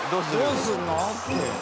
「どうするの？って」